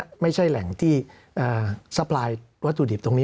สำหรับกำลังการผลิตหน้ากากอนามัย